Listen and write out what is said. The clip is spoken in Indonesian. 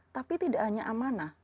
tapi tidak hanya amanah